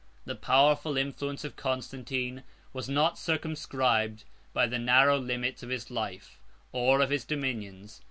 75 The powerful influence of Constantine was not circumscribed by the narrow limits of his life, or of his dominions.